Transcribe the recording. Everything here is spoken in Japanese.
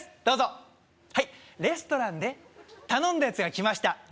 どうぞはいレストランで頼んだやつが来ました